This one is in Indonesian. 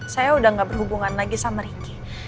saya udah gak berhubungan lagi sama ricky